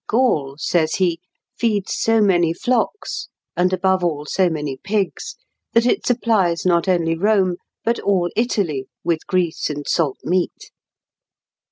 "Gaul," says he, "feeds so many flocks, and, above all, so many pigs, that it supplies not only Rome, but all Italy, with grease and salt meat."